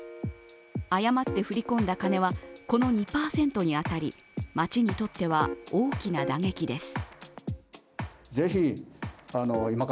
誤って振り込んだ金は、この２％に当たり、町にとっては大きな打撃です。